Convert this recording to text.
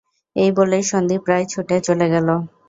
এই বলে সন্দীপ প্রায় ছুটে চলে গেল।